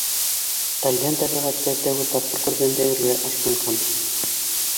Талйән тәбиғәтте тәүге тапҡыр күргәндәй үргә ашҡынған.